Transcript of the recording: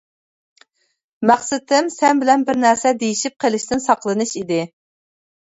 مەقسىتىم سەن بىلەن بىرنەرسە دېيىشىپ قېلىشتىن ساقلىنىش ئىدى.